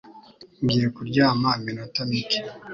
Ngiye kuryama iminota mike.